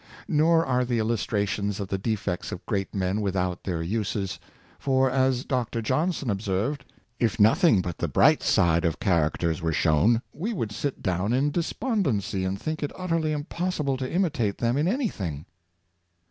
Nor are the illustrations of the defects of great men without their uses; for, as Dr. Johnson observed, "If nothing but the bright side of characters were shown, we would sit down in despondency, and think it utterly impossible to imitate them in anything."